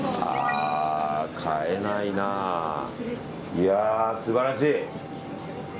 いや、素晴らしい。